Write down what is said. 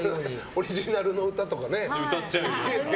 オリジナルの歌とかは？